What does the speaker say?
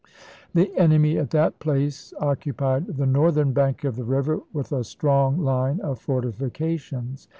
The enemy at that place occupied the northern bank of the river with a strong line of fortifications.